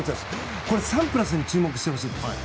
サンプラスに注目してほしいです。